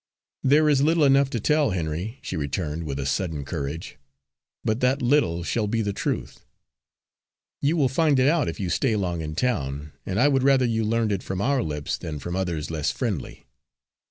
"There is little enough to tell, Henry," she returned, with a sudden courage, "but that little shall be the truth. You will find it out, if you stay long in town, and I would rather you learned it from our lips than from others less friendly.